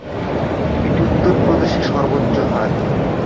এটি উত্তর প্রদেশের সর্বোচ্চ হার।